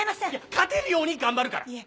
いや勝てるように頑張るから。